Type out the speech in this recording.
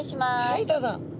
はいどうぞ。